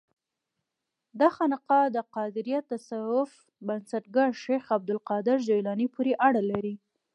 دا خانقاه د قادریه تصوف بنسټګر شیخ عبدالقادر جیلاني پورې اړه لري.